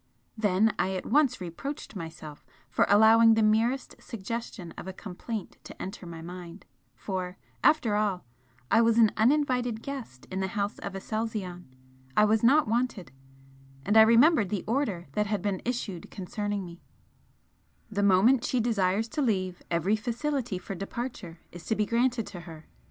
Then I at once reproached myself for allowing the merest suggestion of a complaint to enter my mind, for, after all, I was an uninvited guest in the House of Aselzion I was not wanted and I remembered the order that had been issued concerning me: 'The moment she desires to leave, every facility for departure is to be granted to her.'